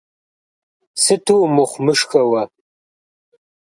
Сыту умыхъумышхэ уэ.